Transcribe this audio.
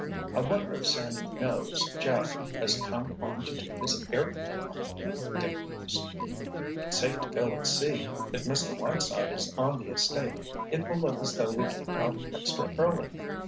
"I wonder if Sandy knows Jeff has come on to take his airplane off," Dick mused. "It's safe to go and see. If Mr. Whiteside is on the estate it will look as though we came out extra early.